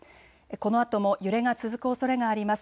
このあとも揺れが続くおそれがあります。